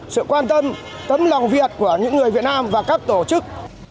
sự quan tâm tấm lòng việt của những người việt nam và các tổ chức